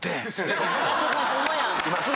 ホンマや。